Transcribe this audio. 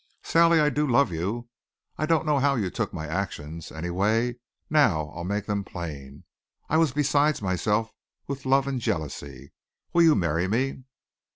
"Sally, I do love you. I don't know how you took my actions. Anyway, now I'll make them plain. I was beside myself with love and jealousy. Will you marry me?"